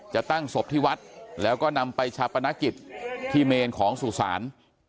จะตั้งศพที่วัดแล้วก็นำไปชาปนกิจที่เมนของสุสาน